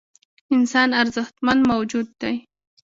انسان ارزښتمن موجود دی .